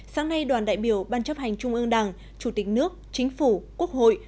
sáng nay đoàn đại biểu ban chấp hành trung ương đảng chủ tịch nước chính phủ quốc hội